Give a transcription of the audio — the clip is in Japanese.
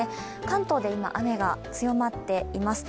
関東で今、雨が強まっています。